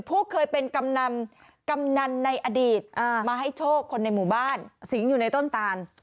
ผู้เคยเป็นกำนันในอดีตมาให้โชคคนในหมู่บ้านสิงห์อยู่ในต้นตาล